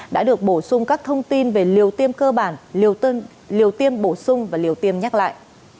đã được bổ sung các thông tin về liều tiêm cơ bản liều tiêm bổ sung và liều tiêm nhắc lại